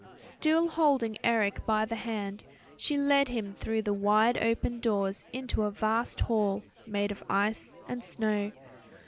Still holding Eric by the hand, she led him through the wide open doors into a vast hall, made of ice and snow.